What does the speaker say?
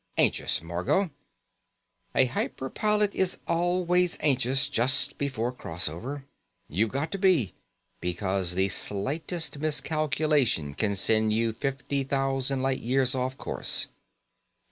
"Anxious, Margot. A hyper pilot is always anxious just before crossover. You've got to be, because the slightest miscalculation can send you fifty thousand light years off course."